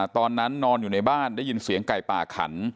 นอนอยู่ในบ้านได้ยินเสียงไก่ป่าขัน